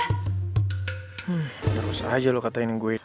hmm gak usah aja lo katain gue